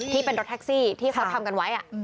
ที่เป็นรถแท็กซี่ที่เขาทำกันไว้